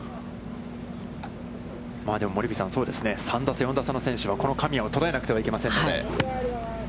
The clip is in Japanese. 森口さん、３打差、４打差の選手は、この神谷を捉えなくてはいけませんので。